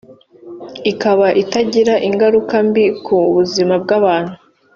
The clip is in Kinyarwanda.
ikaba itagira ingaruka mbi ku buzima bw’abantu